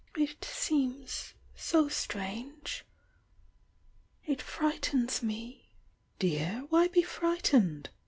— it seems so strange ! It frightens me " "Dear, why be frightened?"